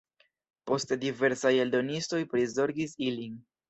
Poste diversaj eldonistoj prizorgis ilin.